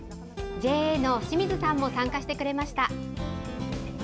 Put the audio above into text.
ＪＡの清水さんも参加してくれました。